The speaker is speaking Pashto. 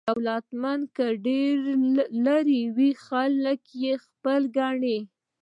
دولتمند که ډېر لرې وي، خلک یې خپل ګڼي.